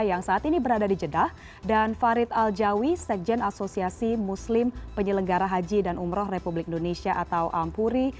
yang saat ini berada di jeddah dan farid aljawi sekjen asosiasi muslim penyelenggara haji dan umroh republik indonesia atau ampuri